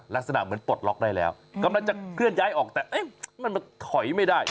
ลักษณะเหมือนปลดล็อกได้แล้วกำลังจะเคลื่อนย้ายออกแต่เอ๊ะมันถอยไม่ได้